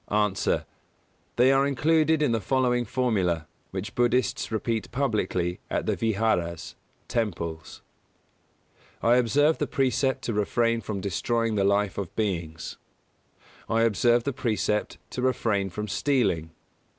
_ A. They are included in the following formula,, which Buddhists repeat publicly at the vihāras (temples): I observe the precept to refrain from destroying the life of beings. I observe the precept to refrain from stealing.